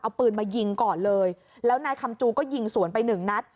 เอาปืนมายิงก่อนเลยแล้วนายคำจูก็ยิงสวนไปหนึ่งนัด